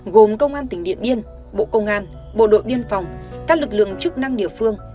gồm công an tỉnh điện biên bộ công an bộ đội biên phòng các lực lượng chức năng địa phương